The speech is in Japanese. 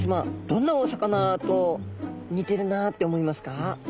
どんなお魚と似てるなって思いますか？